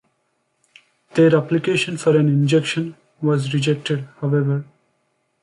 Their application for an injunction was rejected however.